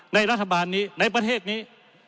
ในรัฐบาลนี้เมอร์ภาคในประเทศนี้